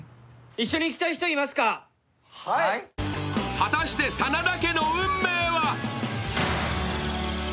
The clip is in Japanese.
果たして、真田家の運命は？